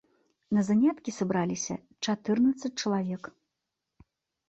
На заняткі сабраліся чатырнаццаць чалавек.